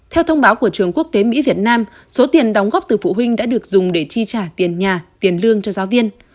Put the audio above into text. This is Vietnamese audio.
theo thông báo của trường quốc tế mỹ việt nam số tiền đóng góp từ phụ huynh đã được dùng để chi trả tiền nhà tiền lương cho giáo viên